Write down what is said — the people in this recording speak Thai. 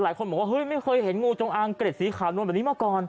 หลายคนบอกว่าเฮ้ยไม่เคยเห็นงูจงอางเกร็ดสีขาวนวลแบบนี้มาก่อน